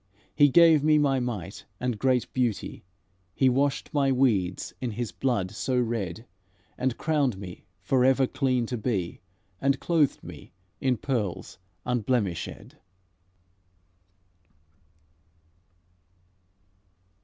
He gave me my might and great beauty; He washed my weeds in His blood so red, And crowned me, forever clean to be, And clothed me in pearls unblemishèd."